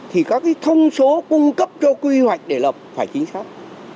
thì các thông số cung cấp cho quy hoạch để lập phải chính xác